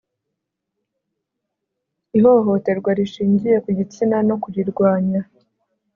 ihohoterwa rishingiye ku gitsina no kurirwanya